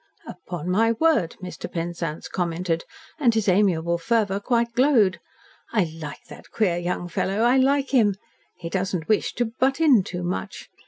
"Upon my word," Mr. Penzance commented, and his amiable fervour quite glowed, "I like that queer young fellow I like him. He does not wish to 'butt in too much.'